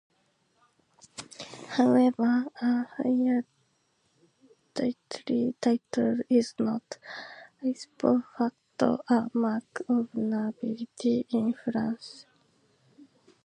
However, a hereditary title is not, "ipso facto", a mark of nobility in France.